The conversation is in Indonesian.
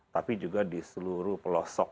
tapi juga di seluruh pelosok